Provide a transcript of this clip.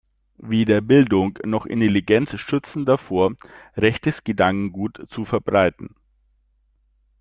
Weder Bildung noch Intelligenz schützen davor, rechtes Gedankengut zu verbreiten.